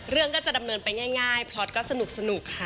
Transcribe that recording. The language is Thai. ก็จะดำเนินไปง่ายพล็อตก็สนุกค่ะ